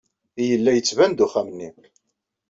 Yella yettban-d uxxam-nni.